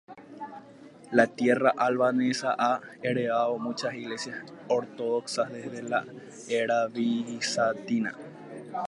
La tierra albanesa ha heredado muchas iglesias ortodoxas desde la era bizantina.